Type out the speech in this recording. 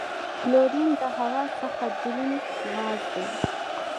کلورین د هوا څخه دروند غاز دی.